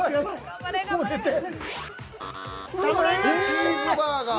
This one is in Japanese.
チーズバーガー。